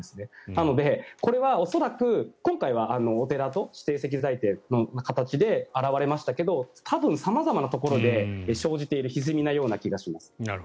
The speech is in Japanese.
なのでこれは恐らく今回はお寺と指定石材店の形で表れましたが多分、様々なところで生じているひずみのような気がします。